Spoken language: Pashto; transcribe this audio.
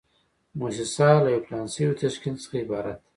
موسسه له یو پلان شوي تشکیل څخه عبارت ده.